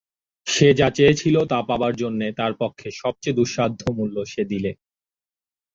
সে যা চেয়েছিল তা পাবার জন্যে তার পক্ষে সব চেয়ে দুঃসাধ্য মূল্য সে দিলে।